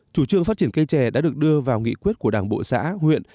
chủ trương phát triển cây trè đã được đưa vào nghị quyết của đảng bộ xã huyện